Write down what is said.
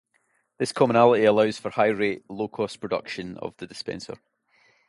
This commonality allows for high-rate, low-cost production of the dispenser.